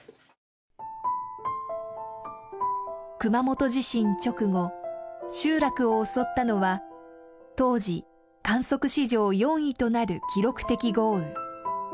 熊本地震直後集落を襲ったのは当時観測史上４位となる記録的豪雨。